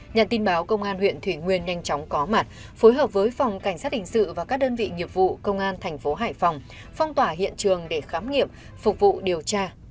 nhận tin báo công an huyện thủy nguyên nhanh chóng có mặt phối hợp với phòng cảnh sát hình sự và các đơn vị nghiệp vụ công an thành phố hải phòng phong tỏa hiện trường để khám nghiệm phục vụ điều tra